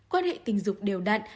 quan hệ tình dục đều đặn